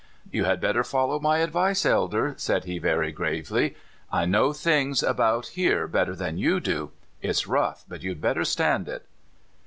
"You had better follow my advice, Elder," said he very gravely. " I know things about here better than you do. It's rough, but you had better stand it."